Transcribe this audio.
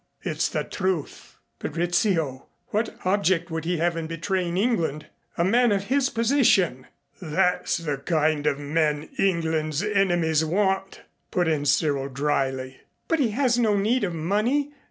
It's the truth." "But Rizzio! What object would he have in betraying England? A man of his position!" "That's the kind of men England's enemies want," put in Cyril dryly. "But he has no need of money.